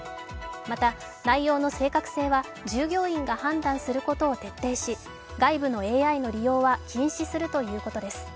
また、内容の正確性は従業員が判断することを徹底し外部のＡＩの利用は禁止するということです。